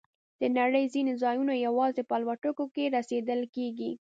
د نړۍ ځینې ځایونه یوازې په الوتکو کې رسیدل کېږي.